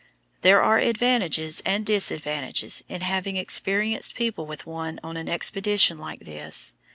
There are advantages and disadvantages in having experienced people with one on an expedition like this.